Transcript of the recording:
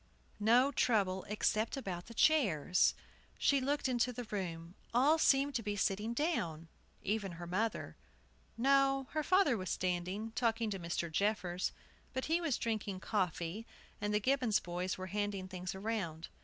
No trouble, except about the chairs. She looked into the room; all seemed to be sitting down, even her mother. No, her father was standing, talking to Mr. Jeffers. But he was drinking coffee, and the Gibbons boys were handing things around.